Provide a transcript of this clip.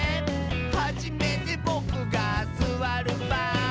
「はじめてボクがすわるばん」